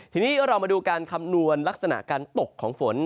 ทีนี้เรามาดูการคำนวณลักษณะการตกของฝน